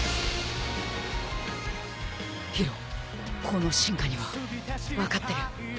この進化には。分かってる。